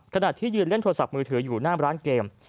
ขณะที่ยืนเล่นโทรศัพท์มือถืออยู่หน้าร้านเกม